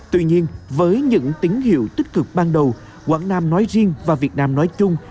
tuy nhiên với những tín hiệu tích cực ban đầu quảng nam nói riêng và việt nam nói chung